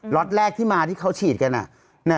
็อตแรกที่มาที่เขาฉีดกัน